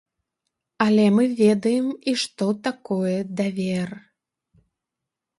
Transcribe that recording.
Але мы ведаем і што такое давер.